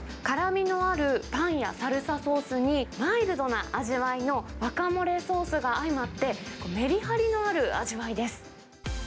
辛みのあるパンやサルサソースに、マイルドな味わいのワカモレソースが相まって、めりはりのある味わいです。